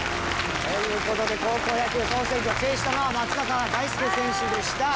という事で高校野球総選挙を制したのは松坂大輔選手でした。